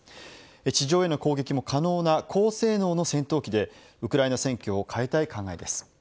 地上への攻撃も可能な高性能の戦闘機でウクライナ戦況を変えたい考えです。